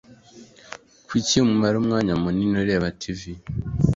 Kuki umara umwanya munini ureba TV?